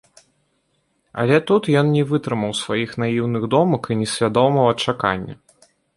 Але тут ён не вытрымаў сваіх наіўных думак і несвядомага чакання.